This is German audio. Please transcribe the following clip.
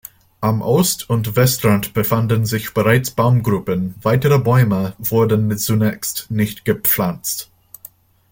Am Ost- und Westrand befanden sich bereits Baumgruppen, weitere Bäume wurden zunächst nicht gepflanzt.